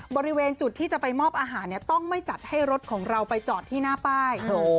บริเวณจุดที่จะไปมอบอาหารเนี่ยต้องไม่จัดให้รถของเราไปจอดที่หน้าป้าย